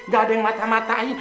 gak ada yang mata matain